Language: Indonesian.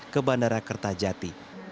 ke bandara kertajati